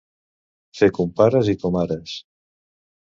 Fer compares i comares.